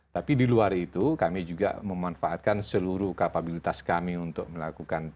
tapi di luar itu kami juga memanfaatkan seluruh kapabilitas kami untuk melakukan